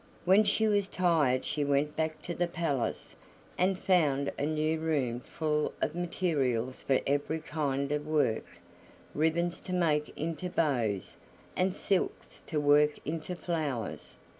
When she was tired she went back to the palace, and found a new room full of materials for every kind of work ribbons to make into bows, and silks to work into flowers.